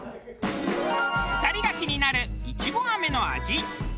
２人が気になるいちご飴の味。